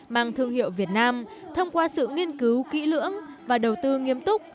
mang thương hiệu việt nam thông qua sự nghiên cứu kỹ lưỡng và đầu tư nghiêm túc